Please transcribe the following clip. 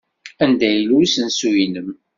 Anda yella usensu-nnem?